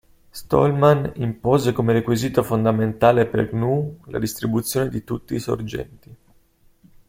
Stallman impose come requisito fondamentale per GNU la distribuzione di tutti i sorgenti.